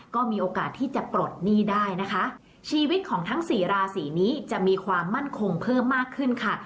ก็มีโอกาสที่จะปลดหนี้ได้นะคะชีวิตของทั้งสี่ราศีนี้จะมีความมั่นคงเพิ่มมากขึ้นค่ะ